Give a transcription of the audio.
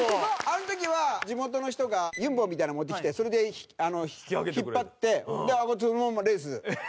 あの時は地元の人がユンボみたいなの持ってきてそれで引っ張ってそのままレース。